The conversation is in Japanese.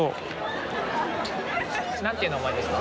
何ていう名前ですか？